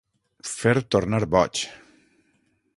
Fer tornar boig.